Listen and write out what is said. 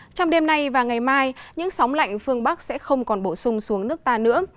trong đêm nay và ngày mai những sóng lạnh phương bắc sẽ không còn bổ sung xuống nước ta nữa